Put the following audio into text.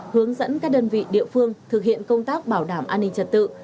hướng dẫn các đơn vị địa phương thực hiện công tác bảo đảm an ninh trật tự